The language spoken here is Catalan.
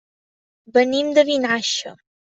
Venim de Vinaixa.